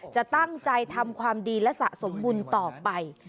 จะตั้งใจทำความดีและสะสมบุญต่อไป